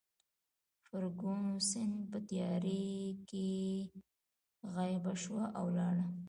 فرګوسن په تیارې کې غیبه شوه او ولاړه.